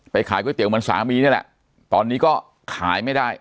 ขายก๋วยเตี๋ยวเหมือนสามีนี่แหละตอนนี้ก็ขายไม่ได้